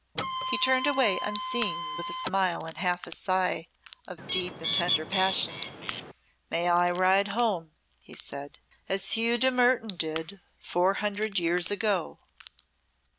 He turned away unseeing, with a smile and half a sigh of deep and tender passion. "May I ride home," he said, "as Hugh de Mertoun did four hundred years ago!"